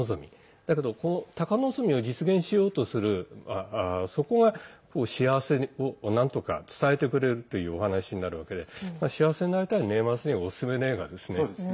だけど、この高望みを実現しようとするそこが、幸せをなんとか伝えてくれるというお話になるわけで幸せになりたい年末にはおすすめの映画ですね。